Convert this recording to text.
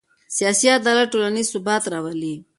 سیاسي عدالت ټولنیز ثبات راولي